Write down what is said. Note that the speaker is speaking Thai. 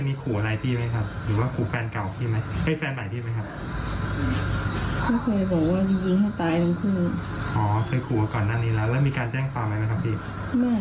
ไม่เพราะว่าไม่ได้คิดว่าเขาจะทำ